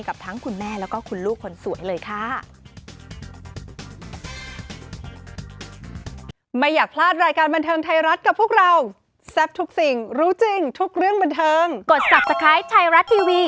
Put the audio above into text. กับทั้งคุณแม่แล้วก็คุณลูกคนสวยเลยค่ะ